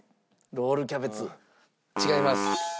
ロールキャベツ違います。